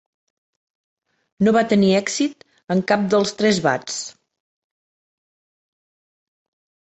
No va tenir èxit en cap dels tres bats.